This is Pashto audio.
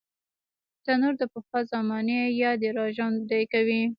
تنور د پخوا زمانې یاد راژوندي کوي